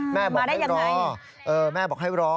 แม่บอกไม่รอแม่บอกให้รอ